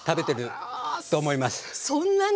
そんなに？